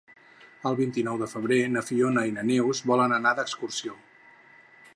El vint-i-nou de febrer na Fiona i na Neus volen anar d'excursió.